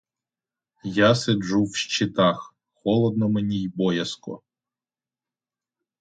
Я сиджу в щитах, холодно мені й боязко.